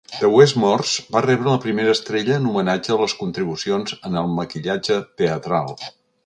The Westmores va rebre la primera estrella en homenatge a les contribucions en el maquillatge teatral.